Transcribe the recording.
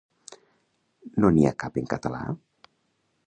No n'hi ha cap en català?